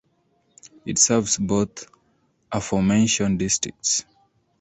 It serves both aforementioned districts.